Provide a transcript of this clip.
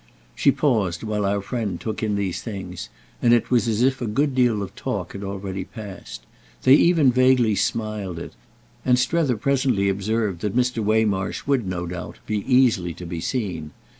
She paused while our friend took in these things, and it was as if a good deal of talk had already passed. They even vaguely smiled at it, and Strether presently observed that Mr. Waymarsh would, no doubt, be easily to be seen.